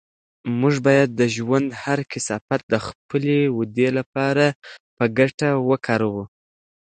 موږ باید د ژوند هر کثافت د خپلې ودې لپاره په ګټه وکاروو.